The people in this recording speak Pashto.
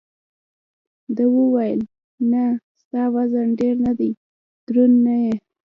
ده وویل: نه، ستا وزن ډېر نه دی، دروند نه یې.